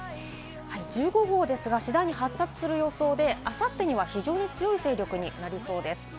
１５号ですが次第に発達する予想で、あさってには非常に強い勢力になりそうです。